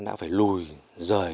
đã phải lùi rời